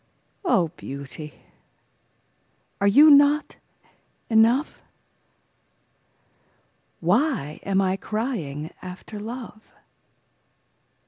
O beauty, are you not enough? Why am I crying after love?